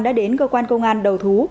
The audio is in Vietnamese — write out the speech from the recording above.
đã đến cơ quan công an đầu thú